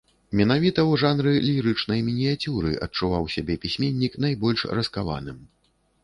Менавіта ў жанры лірычнай мініяцюры адчуваў сябе пісьменнік найбольш раскаваным.